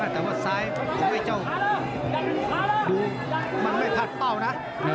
แต่ว่าซ้ายของไอ้เจ้าดูมันไม่พัดเป้านะ